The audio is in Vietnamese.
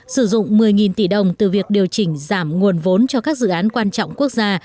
sử dụng một mươi tỷ đồng từ việc điều chỉnh giảm nguồn vốn cho các dự án quan trọng quốc gia